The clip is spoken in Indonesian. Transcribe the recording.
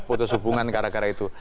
putus hubungan gara gara itu